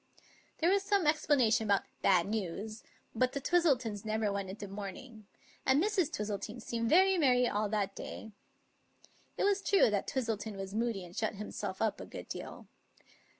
There was some explanation about " bad news," but the Twistletons never went into mourning; and Mrs. J'wistle ton seemed very merry all that day. It was true that Twistleton was moody and shut himself up a good deal.